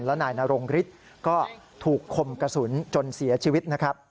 และนายนรงฤทธิ์ก็ถูกคมกระสุนจนเสียชีวิตนะครับ